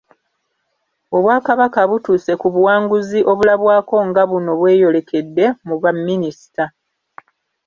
Obwakabaka butuuse ku buwanguzi obulabwako nga buno bweyolekedde mu Baminisita.